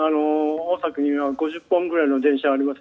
大崎には５０本ぐらいの電車があります。